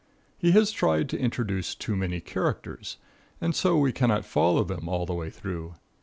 He has tried to introduce too many characters, and so we cannot follow them all the way through.